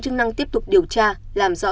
chức năng tiếp tục điều tra làm rõ